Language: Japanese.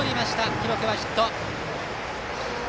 記録はヒット。